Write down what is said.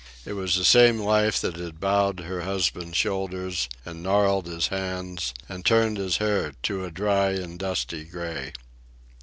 It was the same life that had bowed her husband's shoulders and gnarled his hands and turned his hair to a dry and dusty gray.